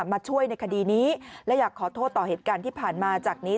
มาช่วยในคดีนี้และอยากขอโทษต่อเหตุการณ์ที่ผ่านมาจากนี้